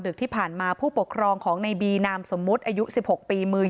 ที่ผ่านมาผู้ปกครองของในบีนามสมมุติอายุ๑๖ปีมือ๒